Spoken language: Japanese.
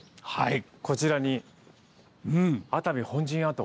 こちらに「熱海本陣跡」。